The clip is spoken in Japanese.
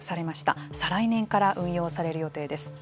再来年から運用される予定です。